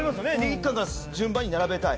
１巻から順番に並べたい